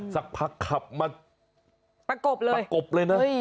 สักพักขับมาประกบเลยนะ